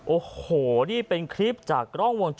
โอ้โหนี่เป็นคลิปจากกล้องวงจร